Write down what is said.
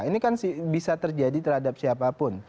ini kan bisa terjadi terhadap siapapun